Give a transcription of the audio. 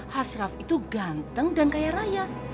hasraf itu ganteng dan kaya raya